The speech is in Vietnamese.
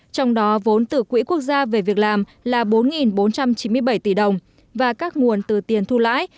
trong đó vốn từ quỹ quốc gia về việc làm là bốn bốn trăm chín mươi bảy tỷ đồng và các nguồn từ tiền thu lãi